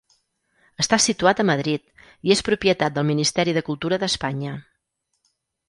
Està situat a Madrid i és propietat del Ministeri de Cultura d'Espanya.